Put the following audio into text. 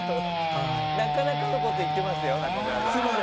なかなかのこと言ってますよ中村さん。